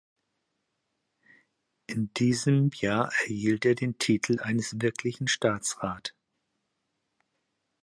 In diesem Jahr erhielt er den Titel eines Wirklichen Staatsrat.